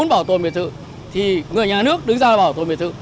bảo tồn biệt thự thì người nhà nước đứng ra bảo tồn biệt thự